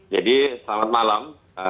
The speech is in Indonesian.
jadi selamat malam